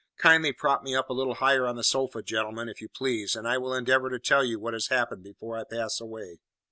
Kindly prop me up a little higher on the sofa, gentlemen, if you please, and I will endeavour to tell you what has happened before I pass away."